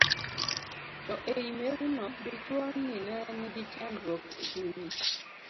to ei mew no, dichuo ni ne nigi chandruok e chunye